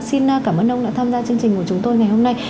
xin cảm ơn ông đã tham gia chương trình của chúng tôi ngày hôm nay